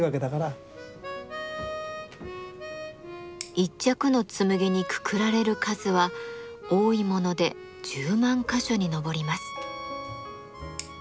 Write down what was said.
一着の紬にくくられる数は多いもので１０万か所に上ります。